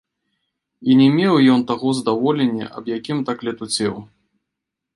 І не меў ён таго здаволення, аб якім так летуцеў.